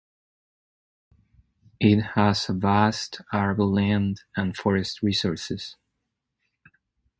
It has vast arable land and forest resources.